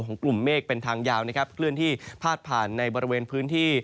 ของกลุ่มเมฆเป็นทางยาวคลื่นที่พาดผ่านในบริเวณพื้นที่